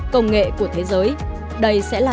công nghệ của thế giới đây sẽ là